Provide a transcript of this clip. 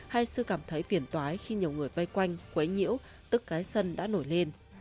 hay sư cảm thấy phiền toái khi nhiều người vây quanh quấy nhiêu tức cái sân đã nổi lên